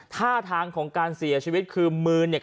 ท่าทางของการเสียชีวิตคือ